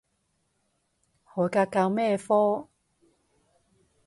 海格教咩科？